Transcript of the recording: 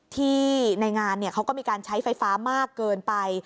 ที่ในงานเขาก็มีการใช้ไฟฟ้ามากเกินไป